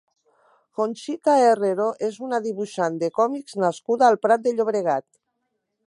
Conxita Herrero és una dibuixant de còmics nascuda al Prat de Llobregat.